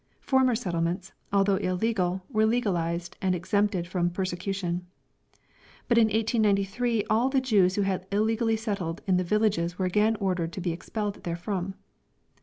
Former settlements, although illegal, were legalised and exempted from persecution. But in 1893 all the Jews who had illegally settled in the villages were again ordered to be expelled therefrom.